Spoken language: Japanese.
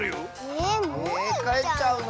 えかえっちゃうの？